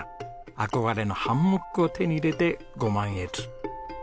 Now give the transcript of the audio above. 憧れのハンモックを手に入れてご満悦。